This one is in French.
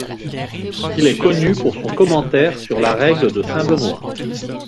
Il est connu pour son commentaire sur la Règle de saint Benoît.